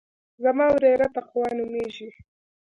زما وريره تقوا نوميږي.